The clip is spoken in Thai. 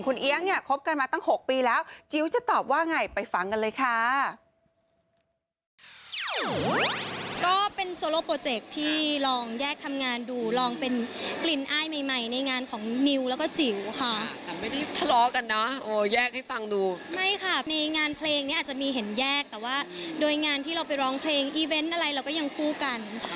เอี๊ยงเนี่ยคบกันมาตั้ง๖ปีแล้วจิ๊วจะตอบว่าไงไปฟังกันเลยค่ะ